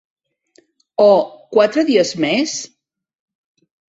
O quatre dies més??